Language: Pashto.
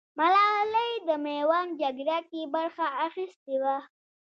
ملالۍ د ميوند جگړه کې برخه اخيستې وه.